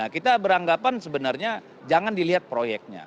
kita beranggapan sebenarnya jangan dilihat proyeknya